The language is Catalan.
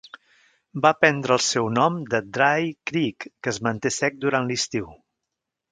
Va prendre el seu nom de Dry Creek, que es manté sec durant l'estiu.